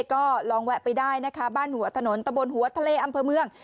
ก็ลองแวะไปได้นะคะบ้านหัวถนนตะบนหัวทะเลอำเภอเมือง